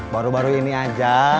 baru baru ini aja